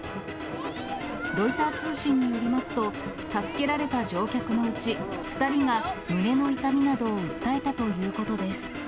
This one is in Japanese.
ロイター通信によりますと、助けられた乗客のうち、２人が胸の痛みなどを訴えたということです。